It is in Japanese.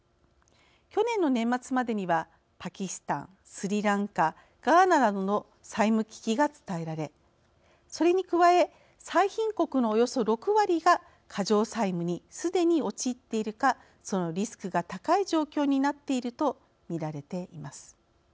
去年の年末までにはパキスタンスリランカ、ガーナなどの債務危機が伝えられそれに加え、最貧国のおよそ６割が過剰債務にすでに陥っているかそのリスクが高い状況になっていると見られています。